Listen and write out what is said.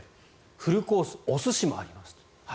フルコースお寿司もありますと。